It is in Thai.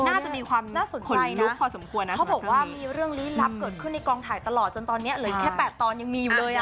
น่าจะมีความขนลุกพอสมควรเพราะบอกว่ามีเรื่องลี้ลับเกิดขึ้นในกองถ่ายตลอดจนตอนนี้เหลือแค่๘ตอนยังมีอยู่เลย